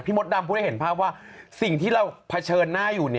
มดดำพูดให้เห็นภาพว่าสิ่งที่เราเผชิญหน้าอยู่